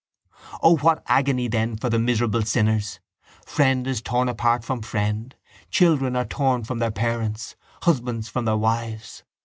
_ O, what agony then for the miserable sinners! Friend is torn apart from friend, children are torn from their parents, husbands from their wives.